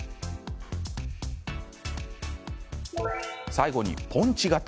最後にポンチ型。